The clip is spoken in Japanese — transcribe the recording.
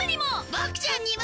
ボクちゃんにも！